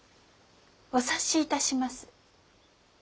お察しいたします。